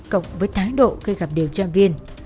cộng với thái độ khi gặp điều tra viên